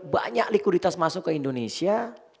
banyak likuiditas masuk ke indonesia